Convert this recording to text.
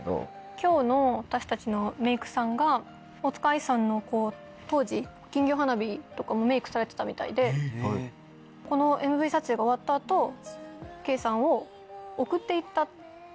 今日の私たちのメイクさんが大塚愛さんの当時『金魚花火』とかもメイクされてたみたいでこのＭＶ撮影が終わった後圭さんを送って行った。